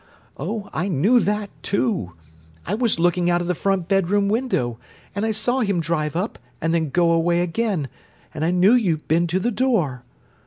Oh, I knew that, too! I was looking out of the front bedroom window, and I saw him drive up, and then go away again, and I knew you'd been to the door.